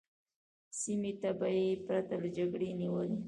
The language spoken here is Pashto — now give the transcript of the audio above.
سیمې به یې پرته له جګړې نیولې.